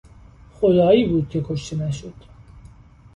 خدایی بود که کشته نشد!